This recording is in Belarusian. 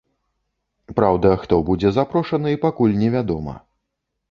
Праўда, хто будзе запрошаны, пакуль невядома.